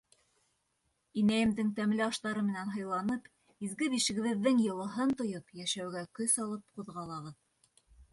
Инәйемдең тәмле аштары менән һыйланып, изге бишегебеҙҙең йылыһын тойоп, йәшәүгә көс алып ҡуҙғалабыҙ.